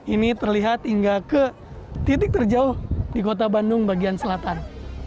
ini terlihat hingga ke titik terjauh di kota bandung bagian selatan